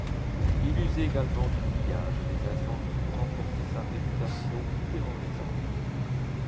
Il usait également du pillage et des incendies pour renforcer sa réputation terrorisante.